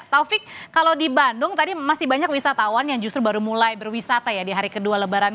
taufik kalau di bandung tadi masih banyak wisatawan yang justru baru mulai berwisata ya di hari kedua lebaran